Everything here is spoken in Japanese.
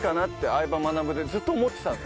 『相葉マナブ』でずっと思ってたの。